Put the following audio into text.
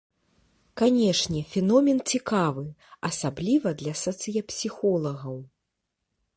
Канешне, феномен цікавы, асабліва для сацыяпсіхолагаў.